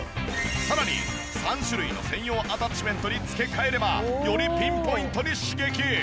さらに３種類の専用アタッチメントに付け替えればよりピンポイントに刺激！